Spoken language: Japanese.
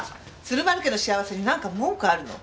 鶴丸家の幸せになんか文句あるの？